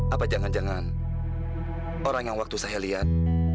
apa jangan jangan orang yang waktu saya lihat